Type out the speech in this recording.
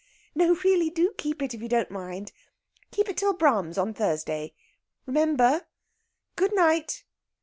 No, really, do keep it if you don't mind keep it till Brahms on Thursday. Remember! Good night."